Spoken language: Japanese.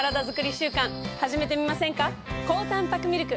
高たんぱくミルク！